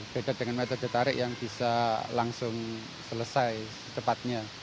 beda dengan metode tarik yang bisa langsung selesai secepatnya